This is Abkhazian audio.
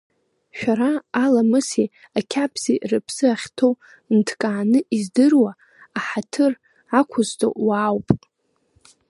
Шәара, аламыси ақьабзи рыԥсы ахьҭоу нҭкааны издыруа, аҳаҭыр ақәызҵо уаауп.